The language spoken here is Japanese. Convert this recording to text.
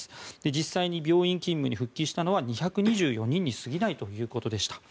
実際に病院勤務に復帰したのは２２４人に過ぎないということでした。